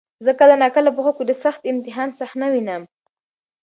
زه کله ناکله په خوب کې د سخت امتحان صحنه وینم.